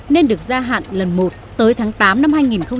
nên được gia hạn lần một tới tháng tám năm hai nghìn một mươi bảy